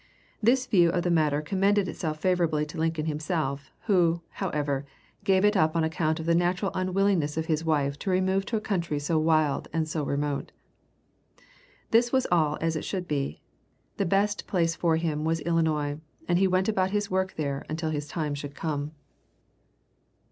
This view of the matter commended itself favorably to Lincoln himself, who, however, gave it up on account of the natural unwillingness of his wife to remove to a country so wild and so remote. This was all as it should be. The best place for him was Illinois, and he went about his work there until his time should come.